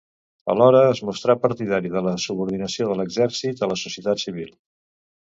Alhora es mostrà partidari de la subordinació de l'exèrcit a la societat civil.